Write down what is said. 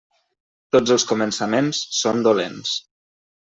Tots els començaments són dolents.